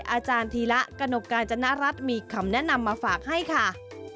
อาจารย์ธีระกนกกาญจนรัฐมีคำแนะนำมาฝากให้ค่ะ